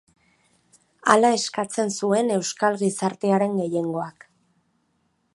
Hala eskatzen zuen euskal gizartearen gehiengoak.